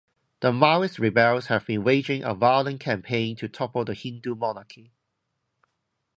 The Maoist rebels have been waging a violent campaign to topple the Hindu monarchy.